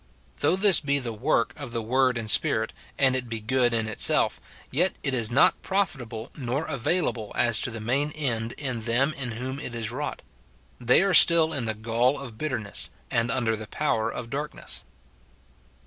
Though this be the work of the word and Spirit, and it be good in itself, yet it is not profitable nor avail able as to the main end in them in whom it is wrought ; they are still in the gall of bitterness, and under the power of darkness.